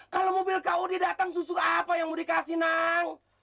kalau mobil kau didatang susu apa yang mau dikasih nang